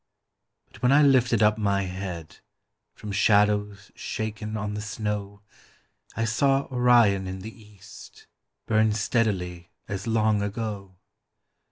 But when I lifted up my head From shadows shaken on the snow, I saw Orion in the east Burn steadily as long ago.